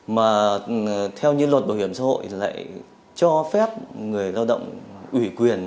mà theo như luật bảo hiểm xã hội lại cho phép người lao động ủy quyền